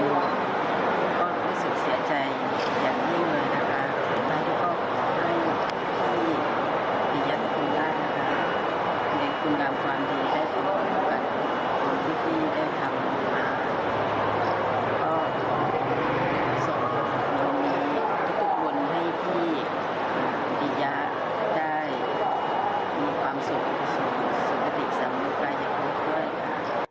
วันนี้ก็ควรให้พี่ปียะได้มีความสุขที่สุขที่สุขที่สัมปรายภพค่ะ